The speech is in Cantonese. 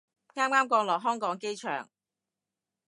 啱啱降落香港機場